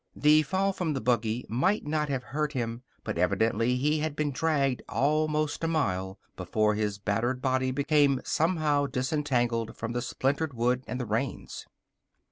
The fall from the buggy might not have hurt him, but evidently he had been dragged almost a mile before his battered body became somehow disentangled from the splintered wood and the reins.